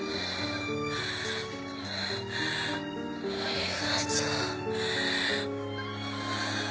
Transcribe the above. ありがとう。